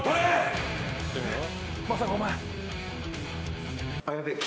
まさかお前。